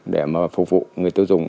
để mà phục vụ người tiêu dùng